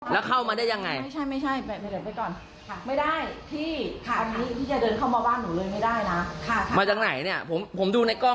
แล้วเข้ามาได้ยังไงไม่ไม่ใช่ไม่ใช่เดอะไปก่อน